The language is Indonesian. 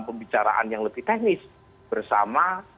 pembicaraan yang lebih teknis bersama